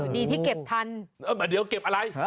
ดีที่เก็บทันเดี๋ยวเก็บอะไร